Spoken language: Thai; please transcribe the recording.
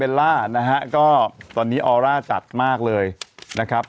ล่านะฮะก็ตอนนี้ออร่าจัดมากเลยนะครับ